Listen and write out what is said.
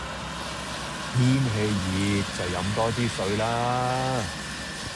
天氣熱就飲多啲水啦